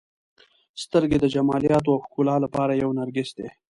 • سترګې د جمالیاتو او ښکلا لپاره یو نرګس دی.